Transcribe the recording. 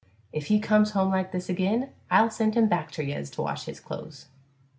If he comes home like this agin I'll send him back ter yez to wash his clothes.